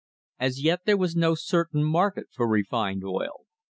As yet there was no certain market for refined oil.